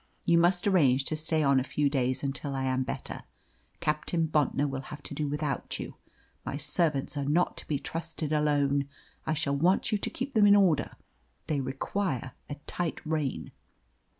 You must arrange to stay on a few days until I am better. Captain Bontnor will have to do without you. My servants are not to be trusted alone. I shall want you to keep them in order; they require a tight reign."